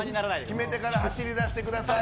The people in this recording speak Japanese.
決めてから走り出してください。